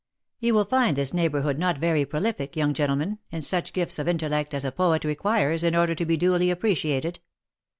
" You will find this neighbourhood not very prolific, young gen tleman, in such gifts of intellect as a poet requires in order to be duly appreciated.